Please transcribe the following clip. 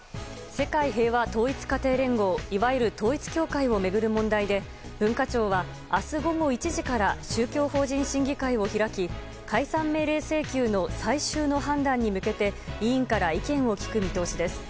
世界平和統一家庭連合いわゆる統一教会を巡る問題で文化庁は明日午後１時から宗教法人審議会を開き解散命令請求の最終の判断に向けて委員から意見を聞く見通しです。